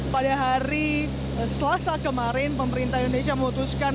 pada hari selasa kemarin pemerintah indonesia memutuskan